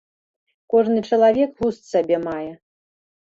Кожны чалавек густ сабе мае.